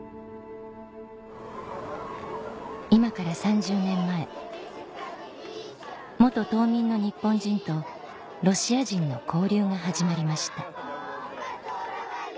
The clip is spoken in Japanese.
今から３０年前島民の日本人とロシア人の交流が始まりました